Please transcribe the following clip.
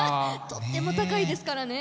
とっても高いですからね。